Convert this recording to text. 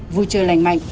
vui chơi lành mạnh